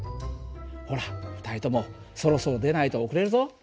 ほら２人ともそろそろ出ないと遅れるぞ。